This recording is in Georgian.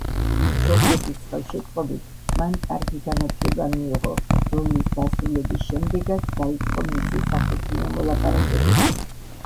მშობლების ხელშეწყობით მან კარგი განათლება მიიღო, რომლის დასრულების შემდეგაც დაიწყო მისი საქორწინო მოლაპარაკებები.